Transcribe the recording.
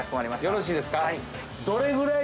よろしいですか？